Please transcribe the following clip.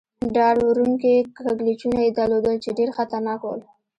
ډار و ر و نکي کږلېچونه يې درلودل، چې ډېر خطرناک ول.